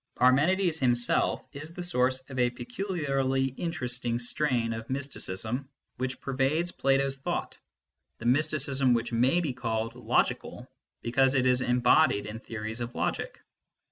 Parmenides himself is the source of a peculiarly 8 MYSTICISM AND LOGIC interesting strain of mysticism which pervades Plato s, thought the mysticism which may be called " logical " because it is embodied in theories on logic.